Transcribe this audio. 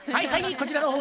こちらの方